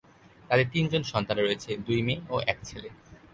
তাদের তিনজন সন্তান রয়েছে, দুই মেয়ে ও এক ছেলে।